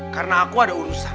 karena aku ada urusan